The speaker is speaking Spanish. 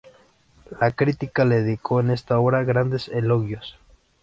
La crítica le dedicó en esta obra grandes elogios.